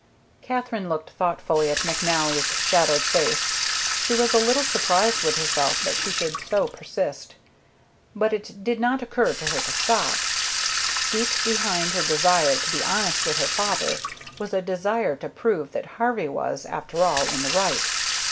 Katherine looked thoughtfully at McNally's shadowed face. She was a little surprised with herself that she should so persist, but it did not occur to her to stop. Deep behind her desire to be honest with her father was a desire to prove that Harvey was, after all, in the right.